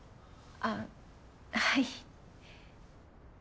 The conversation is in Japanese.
あぁはい。